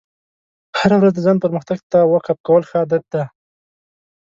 هره ورځ د ځان پرمختګ ته وقف کول ښه عادت دی.